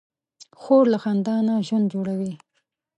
خور له خندا نه ژوند جوړوي.